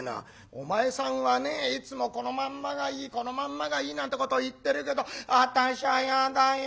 「お前さんはねいつもこのまんまがいいこのまんまがいいなんてことを言ってるけどあたしゃ嫌だよ